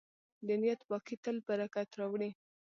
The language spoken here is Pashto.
د نیت پاکي تل برکت راوړي.